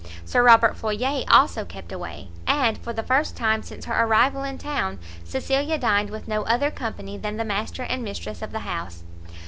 Sir Robert Floyer also kept away, and, for the first time since her arrival in town, Cecilia dined with no other company than the master and mistress of the house.